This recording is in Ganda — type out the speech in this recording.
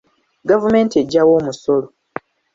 Gavumenti ejjawa omusolo?